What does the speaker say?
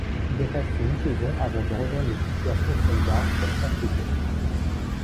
Il y reste une saison avant de rejoindre les Kickers Offenbach pour trois saisons.